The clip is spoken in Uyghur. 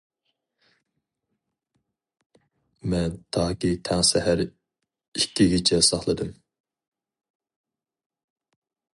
مەن تاكى تاڭ سەھەر ئىككىگىچە ساقلىدىم.